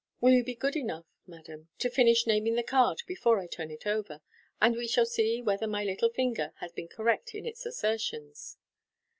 " Will you be good enough, madam, to finish naming the card before I turn it over, and we shall see whether my little finger has been correct in its assertions."